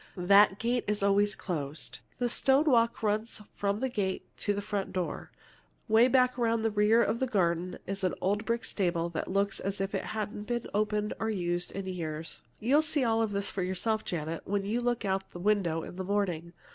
That gate is always closed. A stone walk runs from the gate to the front door. 'Way back at the rear of the garden is an old brick stable that looks as if it hadn't been opened or used in years. "You'll see all this yourself, Janet, when you look out of the window in the morning.